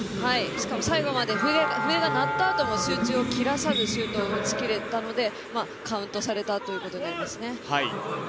しかも最後まで笛が鳴ったあとも集中を切らさずシュートを打ち切れたのでカウントされたということになります。